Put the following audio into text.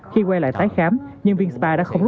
khi quay lại tái khám nhân viên spa đã không